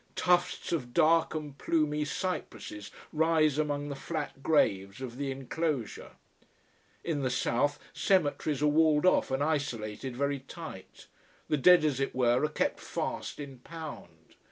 Tufts of dark and plumy cypresses rise among the flat graves of the enclosure. In the south, cemeteries are walled off and isolated very tight. The dead, as it were, are kept fast in pound.